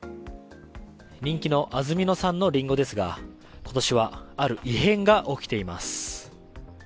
人気の安曇野産のリンゴですが今年はある異変が起きています。